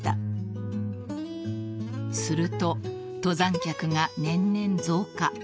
［すると登山客が年々増加］